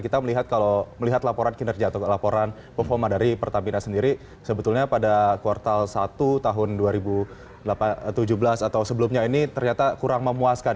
kita melihat kalau melihat laporan kinerja atau laporan performa dari pertamina sendiri sebetulnya pada kuartal satu tahun dua ribu tujuh belas atau sebelumnya ini ternyata kurang memuaskan